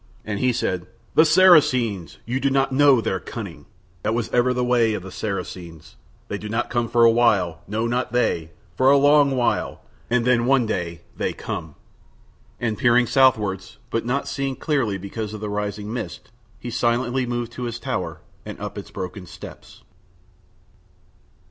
And he said, "The Saracens! You do not know their cunning. That was ever the way of the Saracens. They do not come for a while, no not they, for a long while, and then one day they come." And peering southwards, but not seeing clearly because of the rising mist, he silently moved to his tower and up its broken steps.